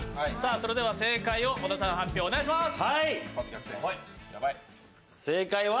それでは正解を小田さん、発表お願いします。